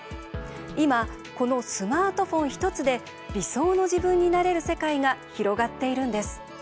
今、このスマートフォン１つで理想の自分になれる世界が広がっているんです。